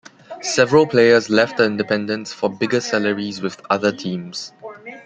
Several players left the Independents for bigger salaries with other teams.